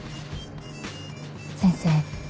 先生